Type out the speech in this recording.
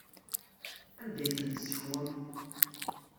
Anda ay tent-tessekwem?